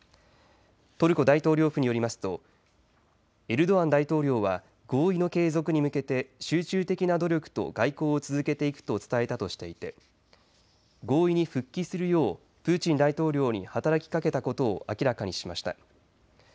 トルコ大統領府によりますとエルドアン大統領は合意の継続に向けて集中的な努力と外交を続けていくと伝えたとしていて合意に復帰するようプーチン大統領に働きかけたことを明らかにしました。